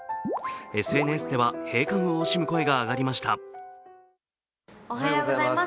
ＳＮＳでは閉館を惜しむ声が上がりました。